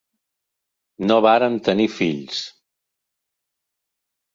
No varen tenir fills.